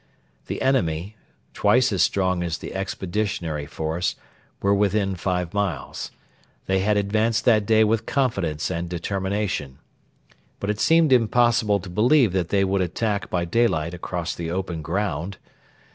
The enemy, twice as strong as the Expeditionary Force, were within five miles. They had advanced that day with confidence and determination. But it seemed impossible to believe that they would attack by daylight across the open ground.